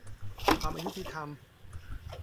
ความอยุติธรรม